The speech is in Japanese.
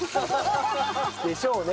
でしょうね。